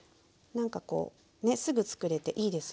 何かこうねすぐ作れていいですよね。